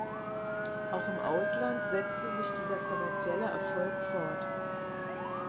Auch im Ausland setzte sich dieser kommerzielle Erfolg fort.